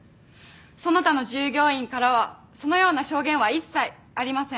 その他の従業員からはそのような証言は一切ありません。